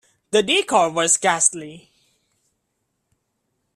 The decor was ghastly.